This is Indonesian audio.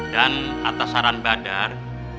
dan atas saran badar